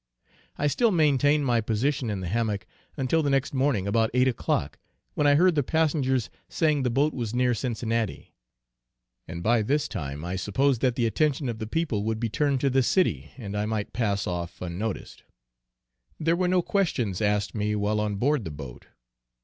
I still maintained my position in the hammock, until the next morning about 8 o'clock, when I heard the passengers saying the boat was near Cincinnati; and by this time I supposed that the attention of the people would be turned to the city, and I might pass off unnoticed. There were no questions asked me while on board the boat.